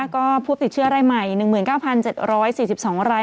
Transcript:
ก็ผู้ติดเชื้อรายใหม่๑๙๗๔๒ราย